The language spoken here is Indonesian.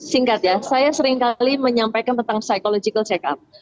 singkat ya saya seringkali menyampaikan tentang psychological check up